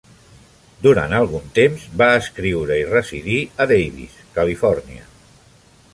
Durant algun temps ha escriure i residir a Davis, Califòrnia.